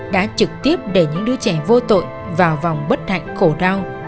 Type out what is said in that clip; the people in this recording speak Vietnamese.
đã trực tiếp để những đứa trẻ vô tội vào vòng bất hạnh khổ đau